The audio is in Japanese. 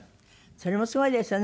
それもすごいですよね